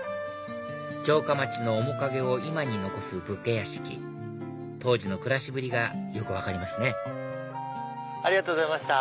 城下町の面影を今に残す武家屋敷当時の暮らしぶりがよく分かりますねありがとうございました。